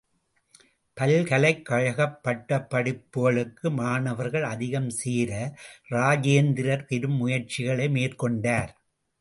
பல்கலைக் கழகப் பட்டப் படிப்புகளுக்கு மாணவர்கள் அதிகம் சேர ராஜேந்திரர் பெரும் முயற்சிகளை மேற்கொண்டார்.